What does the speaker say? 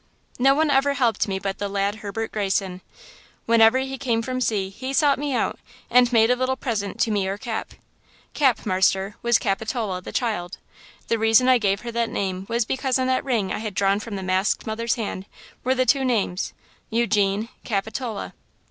"No one ever helped me but the lad Herbert Greyson. W'enver he came from sea he sought me out and made a little present to me or Cap. "Cap, marster, was Capitola, the child. The reason I gave her that name was because on that ring I had drawn from the masked mother's hand were the two names–Eugene–Capitola.